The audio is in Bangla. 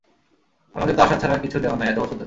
আমাকে তো আশা ছাড়া কিচ্ছু দেও নাই এতোবছর ধরে।